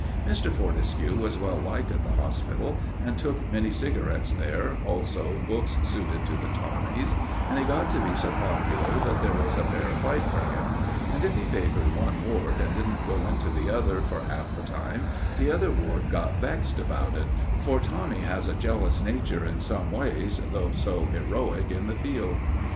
Mr. Fortescue was well liked at the hospital, and took many cigarettes there, also books suited to the Tommies, and he got to be so popular that there was a fair fight for him; and if he favoured one ward, and didn't go into the other for half the time, the other ward got vexed about it, for Tommy has a jealous nature in some ways, though so heroic in the field.